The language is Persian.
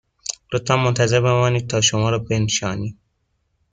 لطفاً منتظر بمانید تا شما را بنشانیم